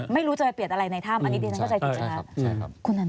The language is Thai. ไม่รู้จะไปเปลี่ยนอะไรในถ้ำอันนี้ดิฉันเข้าใจถูกไหมครับ